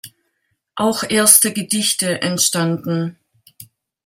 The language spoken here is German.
Auch erste Gedichte entstanden.